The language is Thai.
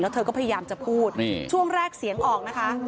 เธอก็พยายามจะพูดนี่ช่วงแรกเสียงออกนะคะ